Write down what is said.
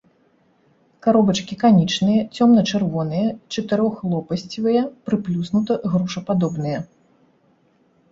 Каробачкі канічныя, цёмна-чырвоныя, чатырохлопасцевыя, прыплюснута-грушападобныя.